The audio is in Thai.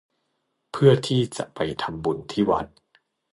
เพื่อที่จะไปทำบุญที่วัด